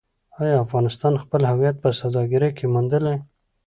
آیا افغانستان خپل هویت په سوداګرۍ کې موندلی؟